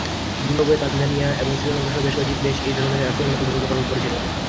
Zimbabwe, Tanzania এবং শ্রীলঙ্কা সহ বেশ কয়েকটি দেশ এই ধরনের আক্রমণাত্মক ভূমিকা পালন করেছিল।